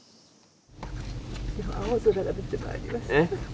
青空が出てまいりました。